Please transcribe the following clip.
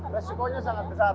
resikonya sangat besar